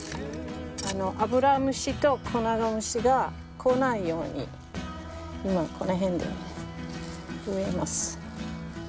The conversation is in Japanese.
アブラムシとコナガムシが来ないように今この辺に植えます。